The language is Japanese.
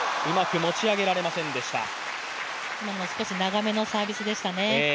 今のは少し長めのサービスでしたね。